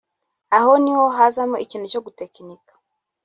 Aho niho hazamo ikintu cyo gutekinika